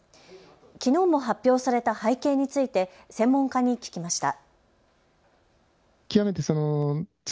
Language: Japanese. きのうも発表された背景について専門家に聞きました。